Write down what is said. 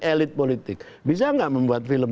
elit politik bisa enggak membuat film